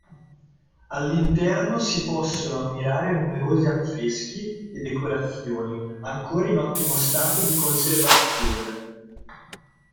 All'interno si possono ammirare numerosi affreschi e decorazioni, ancora in ottimo stato di conservazione.